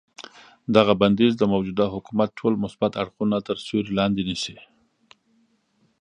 دغه بندیز د موجوده حکومت ټول مثبت اړخونه تر سیوري لاندې نیسي.